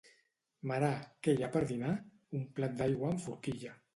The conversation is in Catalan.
—Mare, què hi ha per dinar? —Un plat d'aigua amb forquilla.